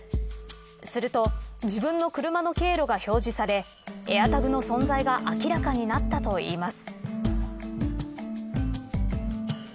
すると自分の車の経路が表示されエアタグの存在が明らかになったといいます。